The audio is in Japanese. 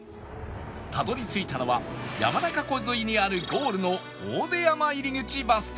たどり着いたのは山中湖沿いにあるゴールの大出山入口バス停